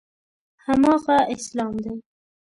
هماغه اسلام دی.